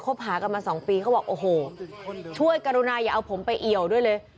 หากันมาสองปีเขาบอกโอ้โหช่วยกรุณาอย่าเอาผมไปเอี่ยวด้วยเลย